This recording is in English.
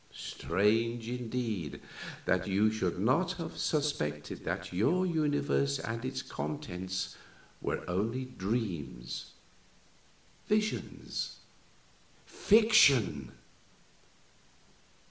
Strange, indeed, that you should not have suspected that your universe and its contents were only dreams, visions, fiction!